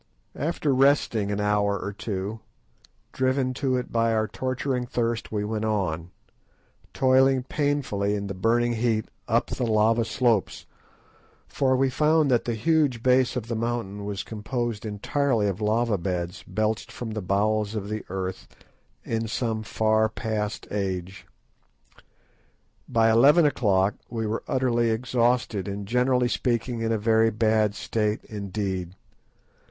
After resting an hour or two, driven to it by our torturing thirst, we went on, toiling painfully in the burning heat up the lava slopes, for we found that the huge base of the mountain was composed entirely of lava beds belched from the bowels of the earth in some far past age. By eleven o'clock we were utterly exhausted, and, generally speaking, in a very bad state indeed.